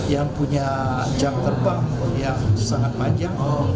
yang punya jam terbang yang sangat panjang